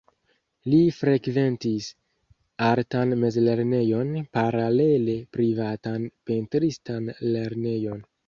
Li frekventis artan mezlernejon, paralele privatan pentristan lernejon.